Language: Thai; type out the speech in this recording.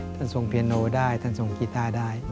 ท่านส่งเพียโนได้ท่านส่งกีต้าได้